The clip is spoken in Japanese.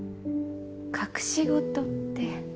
隠し事って。